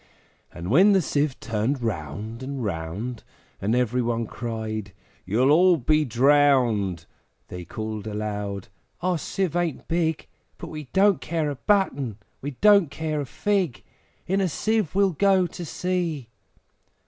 And when the Sieve turned round and round, And every one cried, `You'll all be drowned!' They called aloud, `Our Sieve ain't big, But we don't care a button! we don't care a fig! In a Sieve we'll go to sea!'